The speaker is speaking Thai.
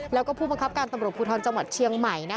แล้วก็ผู้บังคับการตำรวจภูทรจังหวัดเชียงใหม่